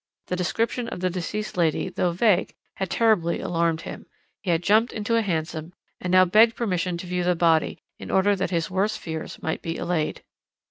The description of the deceased lady, though vague, had terribly alarmed him. He had jumped into a hansom, and now begged permission to view the body, in order that his worst fears might be allayed.